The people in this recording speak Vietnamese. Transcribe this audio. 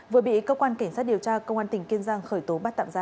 vừa bị cơ quan cảnh sát điều tra công an tỉnh kiên giang khởi tố bắt tạm ra